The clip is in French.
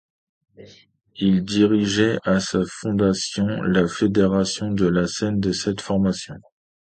Il dirigeait à sa fondation la fédération de la Seine de cette formation.